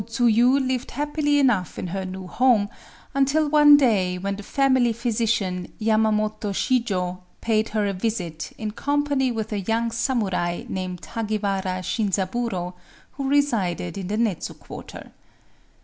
O Tsuyu lived happily enough in her new home until one day when the family physician, Yamamoto Shijō, paid her a visit in company with a young samurai named Hagiwara Shinzaburō, who resided in the Nedzu quarter.